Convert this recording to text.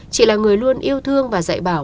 chị là người luôn yêu thương và dạy bảo